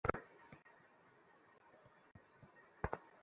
ওহ, আমি কিছু চিন্তা করবো।